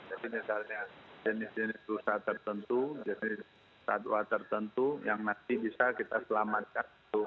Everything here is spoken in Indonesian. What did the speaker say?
jadi misalnya jenis jenis usaha tertentu jenis tatwa tertentu yang masih bisa kita selamatkan